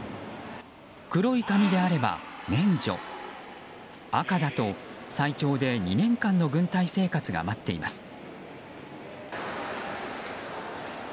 黒い紙であれば免除赤だと最長で２年間の軍隊生活が待っています。